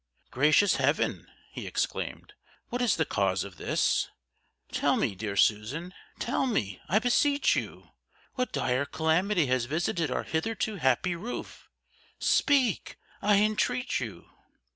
"Gracious Heaven!" he exclaimed, "what is the cause of this? Tell me, dear Susan, tell me, I beseech you, what dire calamity has visited our hitherto happy roof. Speak, I entreat you!"